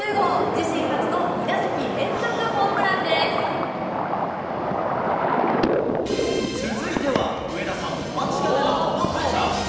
自身初の２打席連続ホームランで続いては、上田さんお待ちかねのこのコーナー。